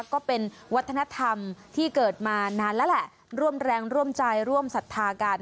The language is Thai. ก็เป็นวัฒนธรรมที่เกิดมานานแล้วแหละร่วมแรงร่วมใจร่วมศรัทธากัน